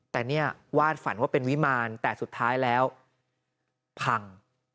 แต่เนี่ยวาดฝันว่าเป็นวิมารแต่สุดท้ายแล้วพัง